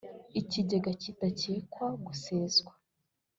ikigega gitegekwa guseswa